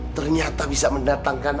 ternyata bisa mendatangkan